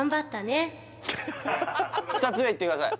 ２つ目いってください